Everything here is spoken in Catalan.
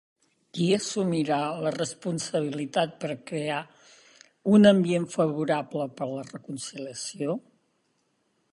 Qui assumirà la responsabilitat per crear un ambient favorable per a la reconciliació?